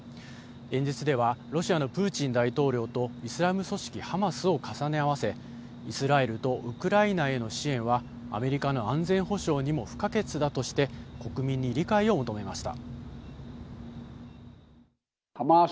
演説ではロシアのプーチン大統領とイスラム組織・ハマスを重ね合わせ、イスラエルとウクライナへの支援はアメリカの安全保障にも不可欠だとして国民に理解を求めました。